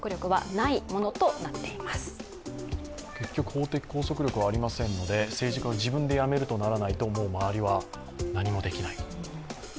法的拘束力はありませんので、政治家は自分で辞めるとならないと周りは何もできない。